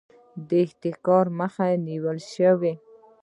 د احتکار مخه نیول شوې؟